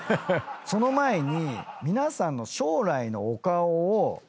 その前に。